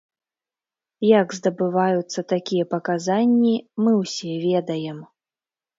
Як здабываюцца такія паказанні, мы ўсе ведаем.